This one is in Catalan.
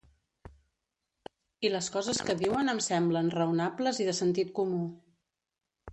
I les coses que diuen em semblen raonables i de sentit comú.